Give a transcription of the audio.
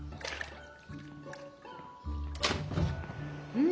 うん？